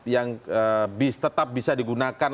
yang tetap bisa digunakan